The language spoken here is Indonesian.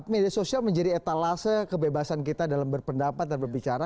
media sosial menjadi etalase kebebasan kita dalam berpendapat dan berbicara